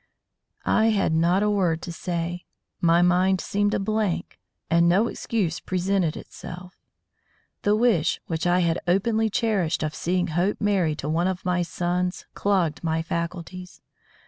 I had not a word to say. My mind seemed a blank, and no excuse presented itself. The wish which I had openly cherished of seeing Hope married to one of my sons clogged my faculties.